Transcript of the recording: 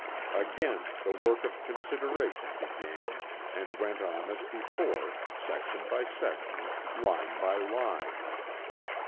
Again the work of consideration began, and went on as before, section by section, line by line.